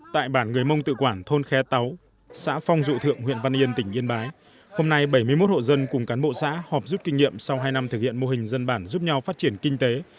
tại bản người mông tự quản thôn khe táu xã phong dụ thượng huyện văn yên tỉnh yên bái hôm nay bảy mươi một hộ dân cùng cán bộ xã họp rút kinh nghiệm sau hai năm thực hiện mô hình dân bản giúp nhau phát triển kinh tế